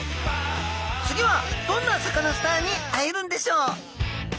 次はどんなサカナスターに会えるんでしょう。